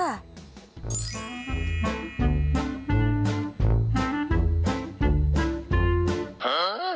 หา